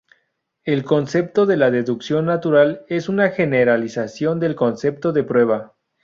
El concepto de deducción natural es una generalización del concepto de prueba.